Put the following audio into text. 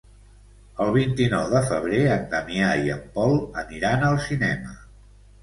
El vint-i-nou de febrer en Damià i en Pol aniran al cinema.